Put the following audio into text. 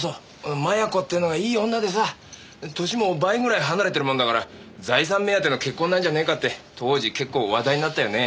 摩耶子ってのがいい女でさ歳も倍ぐらい離れてるもんだから財産目当ての結婚なんじゃねえかって当時結構話題になったよね。